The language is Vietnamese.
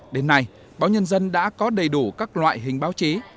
đến nay báo nhân dân đã có đầy đủ các loại hình báo chí